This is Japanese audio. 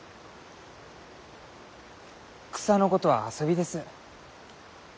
草のことは遊びです。